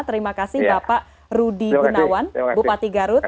terima kasih bapak rudi gunawan bupati garut